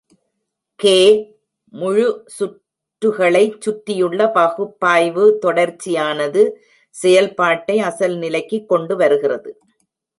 "K" முழு சுற்றுகளைச் சுற்றியுள்ள பகுப்பாய்வு தொடர்ச்சியானது செயல்பாட்டை அசல் நிலைக்கு கொண்டு வருகிறது.